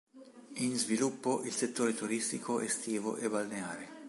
In sviluppo il settore turistico estivo e balneare.